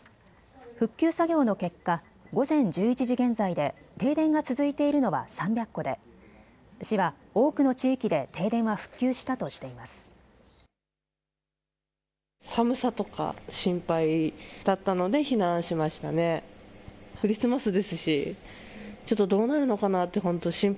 復旧作業の結果、午前１１時現在で停電が続いているのは３００戸で市は多くの地域で停電は復旧したとしています。